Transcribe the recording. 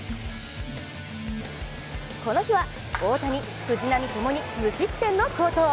この日は大谷、藤浪ともに無失点の好投。